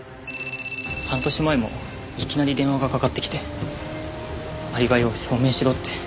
半年前もいきなり電話がかかってきてアリバイを証明しろって。